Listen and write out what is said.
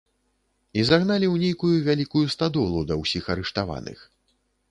І загналі ў нейкую вялікую стадолу, да ўсіх арыштаваных.